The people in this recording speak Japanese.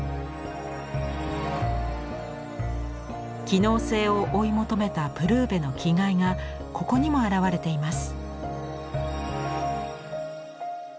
機能性を追い求めたプルーヴェの気概がここにも表れています。